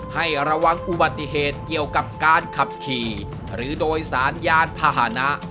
ให้ระวังอุบัติเหตุเกี่ยวกับการขับขี่หรือโดยสารยานพาหนะ